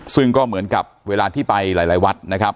ซึ่งก็เหมือนกับเวลาที่ไปหลายวัดนะครับ